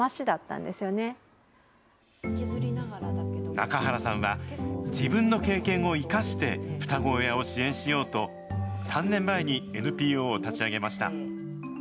中原さんは、自分の経験を生かして、双子親を支援しようと、３年前にＮＰＯを立ち上げました。